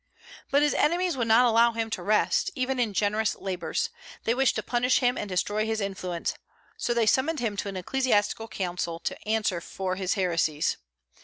But his enemies would not allow him to rest, even in generous labors. They wished to punish him and destroy his influence. So they summoned him to an ecclesiastical council to answer for his heresies.